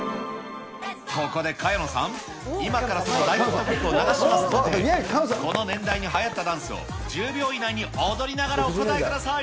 ここで萱野さん、今からその大ヒット曲を流しますので、この年代にはやったダンスを、１０秒以内に踊りながらお答えください。